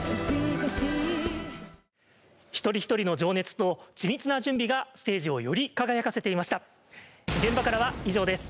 一人一人の情熱と緻密な準備がステージをより輝かせていました。